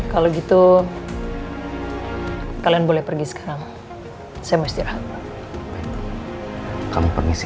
kalau gitu kalian boleh pergi sekarang semestinya kamu permisi